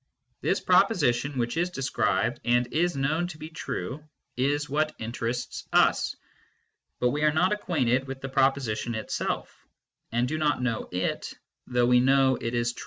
This proposition, which is described and is known to be true, is what interests us ;| but we are not acquainted with the proposition itself, and do not know it, though we know it is true.